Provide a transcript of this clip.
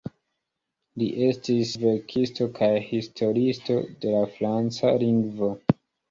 Li estis verkisto kaj historiisto de la franca lingvo.